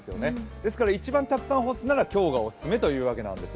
ですから一番たくさん干すなら今日がオススメということです。